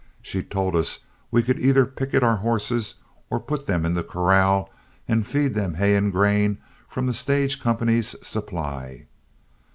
She told us we could either picket our horses or put them in the corral and feed them hay and grain from the stage company's supply.